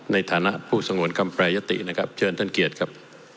ในฐานะผู้สงวนคำแปรยตินะครับเชิญท่านเกียรติครับ